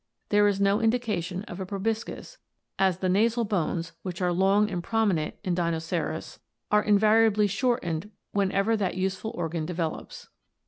There is no indication of a proboscis, as the nasal bones, which are long and prominent in Dinoceras, are in variably shortened whenever that useful organ develops.